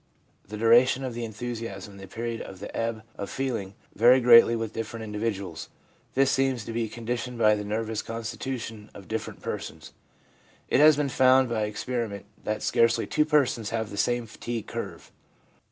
The duration of the enthusiasm and the period of the ebb of feeling vary greatly with different individuals. This seems to be conditioned by the nervous constitu tion of different persons. It has been found by experi ment that scarcely two persons have the same fatigue curve.